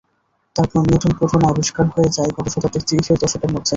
তারপর নিউট্রন-প্রোটনও আবিষ্কার হয়ে যায় গত শতাব্দীর ত্রিশের দশকের মধ্যে।